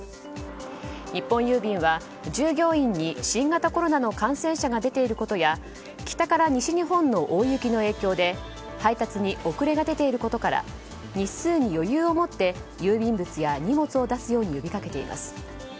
日本郵便は従業員に新型コロナの感染者が出ていることや北から西日本の大雪影響で配達に遅れが出ていることから日数に余裕をもって郵便物や荷物を出すように呼びかけています。